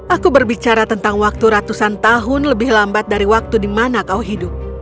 aku berbicara tentang waktu ratusan tahun lebih lambat dari waktu di mana kau hidup